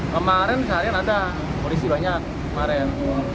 kemarin seharian ada polisi banyak kemarin